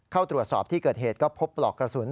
เข้าตรวจสอบที่เกิดเหตุก็พบปลอกกระสุน